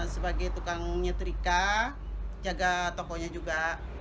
sebagai tukang nyetrika jaga tokonya juga